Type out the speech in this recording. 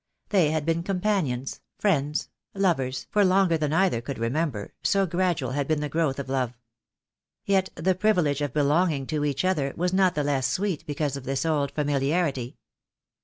They had been companions, friends, lovers, for longer than either could remember, so gradual had been the growth of love. Yet the privilege of belonging to each other was not the less sweet because of this old familiarity.